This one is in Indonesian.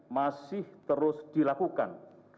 masih terus dilakukan